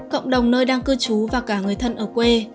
cộng đồng nơi đang cư trú và cả người thân ở quê